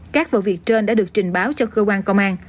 các vụ việc trên đã được trình báo cho cơ quan công an